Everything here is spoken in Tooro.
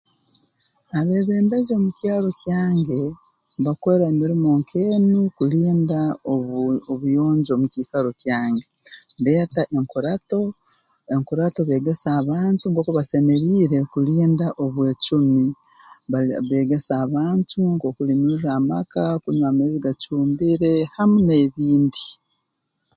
Abeebembezi omu kyaro kyange bakora emirimo nk'enu kulinda obu obuyonjo mu kiikaro kyange beeta enkurato enkurato beegesa abantu nkooku basemeriire okulinda obwecumi bali beegesa abantu nk'okuliimirra amaka kunywa amaizi gacumbire hamu n'ebindi